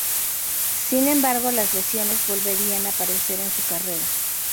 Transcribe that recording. Sin embargo, las lesiones volverían a aparecer en su carrera.